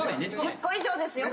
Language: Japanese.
１０個以上ですよ